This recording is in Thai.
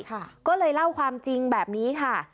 ก็เลยเล่าความจริงแบบนี้ค่ะ